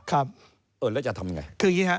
แล้วจะทำอย่างไร